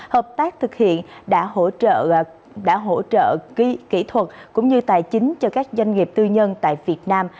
hợp tác thực hiện đã hỗ trợ kỹ thuật cũng như tài chính cho các doanh nghiệp tư nhân tại việt nam